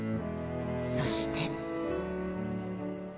そして。